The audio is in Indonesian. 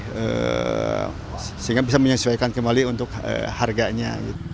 sehingga bisa menyesuaikan kembali untuk harganya